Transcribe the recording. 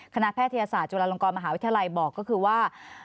แพทยศาสตร์จุฬาลงกรมหาวิทยาลัยบอกก็คือว่า